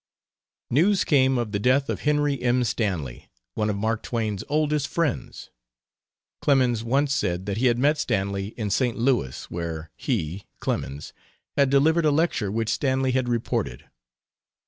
News came of the death of Henry M. Stanley, one of Mark Twain's oldest friends. Clemens once said that he had met Stanley in St. Louis where he (Clemens) had delivered a lecture which Stanley had reported.